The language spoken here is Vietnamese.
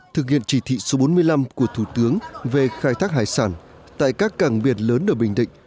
thực hiện chỉ thị số bốn mươi năm của thủ tướng về khai thác hải sản tại các cảng biển lớn ở bình định